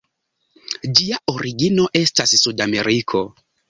Ĝia origino estas Sudameriko.